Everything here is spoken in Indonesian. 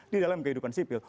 di dalam kehidupan sipil